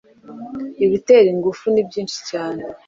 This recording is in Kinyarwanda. ibitera ingufu nibyinshi cyane